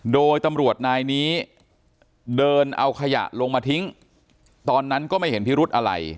โดยตำรวจนายนี้เดินเอาขยะลงมาทิ้งตอนนั้นก็ไม่เห็นพิรุธอะไร